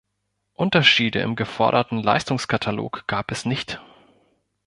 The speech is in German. Unterschiede im geforderten Leistungskatalog gab es nicht.